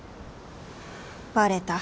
バレた。